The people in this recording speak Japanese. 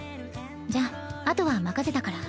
じゃあ後は任せたから。